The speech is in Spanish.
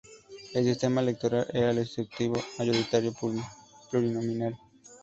El sistema electoral era el escrutinio mayoritario plurinominal.